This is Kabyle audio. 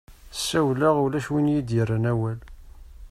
Sawleɣ ulac win iyi-d-yerran awal.